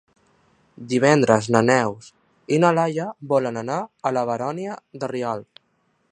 Divendres na Neus i na Laia volen anar a la Baronia de Rialb.